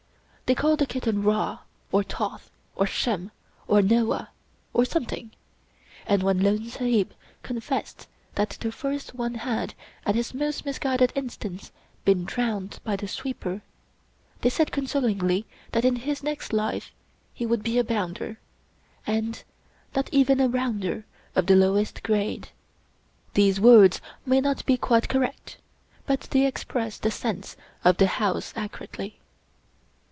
They called the kitten Ra, or Toth, or Shem, or Noah, or something ; and when Lone Sahib confessed that the first one had, at his most misguided instance, been drowned by the sweeper, they said consolingly that in his next life he would be a " bounder," and not even a " rounder " of the lowest grade. These words may not be quite correct, but they express the sense of the house accurately.